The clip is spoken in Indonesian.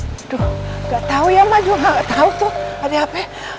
aduh nggak tau ya mak tuh ada hp